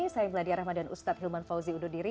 saya meladya rahman dan ustadz hilman fauzi ududiri